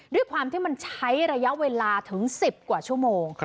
ด้วยความที่มันใช้ระยะเวลาถึง๑๐กว่าชั่วโมง